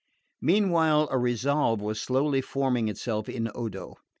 Meanwhile a resolve was slowly forming itself in Odo.